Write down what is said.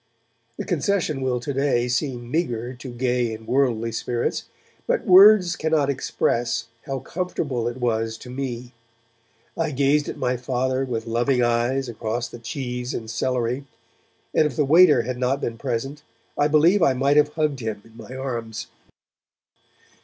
The concession will today seem meagre to gay and worldly spirits, but words cannot express how comfortable it was to me. I gazed at my Father with loving eyes across the cheese and celery, and if the waiter had not been present I believe I might have hugged him in my arms.